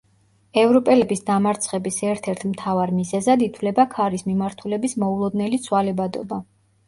ევროპელების დამარცხების ერთ-ერთ მთავარ მიზეზად ითვლება ქარის მიმართულების მოულოდნელი ცვალებადობა.